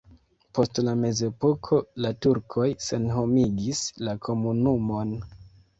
Post la mezepoko la turkoj senhomigis la komunumon.